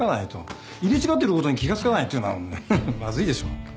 入れ違ってることに気が付かないっていうのはフフまずいでしょ。